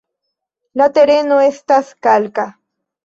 La tereno estas kalka.